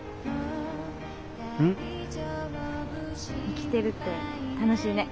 生きてるって楽しいね。